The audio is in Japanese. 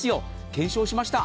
検証しました。